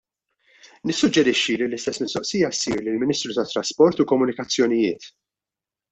Nissuġġerixxi li l-istess mistoqsija ssir lill-Ministru tat-Trasport u Komunikazzjonijiet.